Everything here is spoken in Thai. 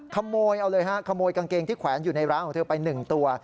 ขโมยเอาเลยฮะขโมยกางเกงที่แขวนอยู่ในร้านของเธอไป๑ตัว